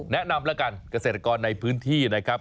แนะนำแล้วกันเกษตรกรในพื้นที่นะครับ